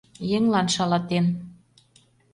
— Еҥлан шалатен.